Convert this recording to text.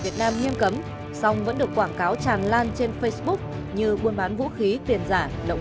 và nghiêm cấm xong vẫn được quảng cáo tràn lan trên facebook như buôn bán vũ khí tiền giả động